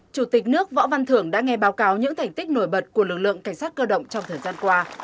chủ tịch nước võ văn thưởng đã nghe báo cáo những thành tích nổi bật của lực lượng cảnh sát cơ động trong thời gian qua